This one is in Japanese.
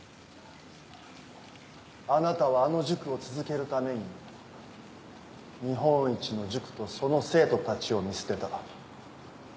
あなたはあの塾を続けるために日本一の塾とその生徒たちを見捨てた。